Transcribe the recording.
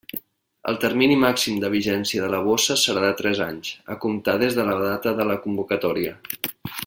El termini màxim de vigència de la bossa serà de tres anys, a comptar des de la data de la convocatòria.